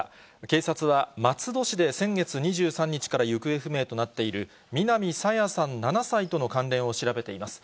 警察は、松戸市で先月２３日から行方不明となっている、南朝芽さん７歳との関連を調べています。